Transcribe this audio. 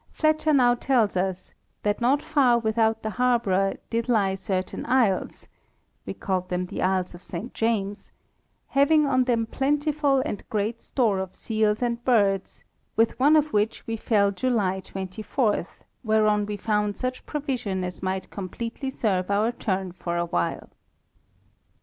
Fletcher now tells us ''that not farre without the harbrough did lye certain isles (we called them the isles of Saint James), having on them plentiful and great store of seals and birds, with one of which we fell July 24th, whereon we found such provision as might completely serve our turn for awhile."